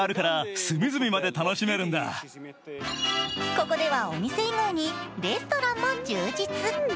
ここではお店以外にレストラン充実。